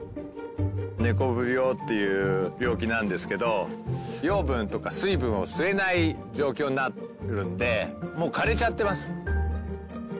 根こぶ病っていう病気なんですけど養分とか水分を吸えない状況になるのでもう枯れちゃってます。